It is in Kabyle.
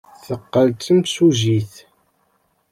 Teqqel d timsujjit.